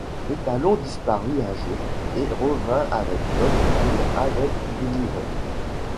L’étalon disparut un jour et revint avec l'homme qu'il avait délivré.